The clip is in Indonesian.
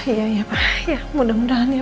iya iya pak mudah mudahan ya pak